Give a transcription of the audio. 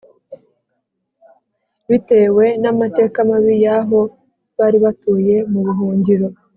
bitewe n amateka mabi y aho bari batuye mu buhungiro